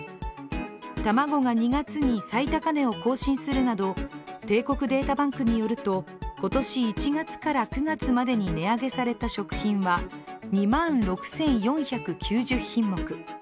卵が２月に最高値を更新するなど帝国データバンクによると今年１月から９月までに値上げされた食品は２万６４９０品目。